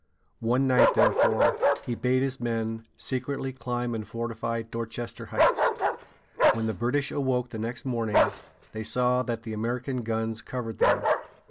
One night, therefore, he bade his men secretly climb and fortify Dor´ches ter Heights. When the British awoke the next morning, they saw that the American guns covered them.